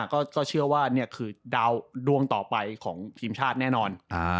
ก็เชื่อว่านี่คือดาวดวงต่อไปของทีมชาติแน่นอน